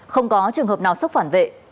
không có trường hợp nào sốc phản vệ